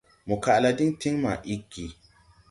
Mo kaʼ la diŋ tiŋ ma iggi.